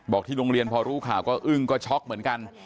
ที่โรงเรียนพอรู้ข่าวก็อึ้งก็ช็อกเหมือนกัน